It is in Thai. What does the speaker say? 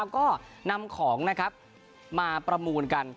ก็นำของมาประมูลกัน